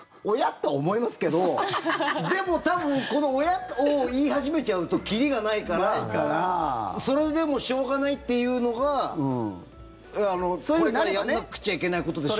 とは思いますけどでも、多分おやっ？を言い始めちゃうと切りがないから、それでもしょうがないっていうのがこれから、やらなくちゃいけないことでしょ。